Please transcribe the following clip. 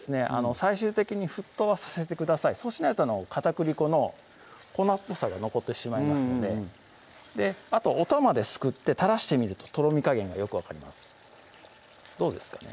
最終的に沸騰はさせてくださいそうしないと片栗粉の粉っぽさが残ってしまいますのであとおたまですくって垂らしてみるととろみ加減がよく分かりますどうですかね